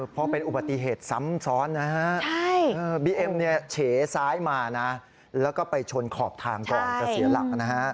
พอเป็นอุบัติเหตุซ้ำซ้อนนะฮะบีเอ็มเนี่ยเฉซ้ายมานะแล้วก็ไปชนขอบทางก่อนจะเสียหลักนะฮะ